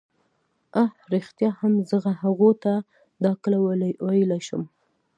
اه ریښتیا هم زه هغو ته دا کله ویلای شم.